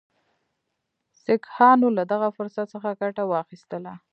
سیکهانو له دغه فرصت څخه ګټه واخیستله.